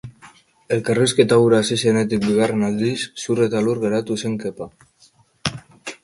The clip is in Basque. Elkarrizketa hura hasi zenetik bigarren aldiz, zur eta lur geratu zen Kepa.